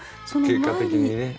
結果的にね。